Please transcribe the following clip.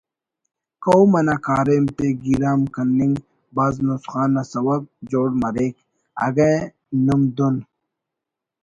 قوم انا کاریم تے گیرام کننگ بھاز نسخان نا سوب جوڑ مریک اگہ نم دن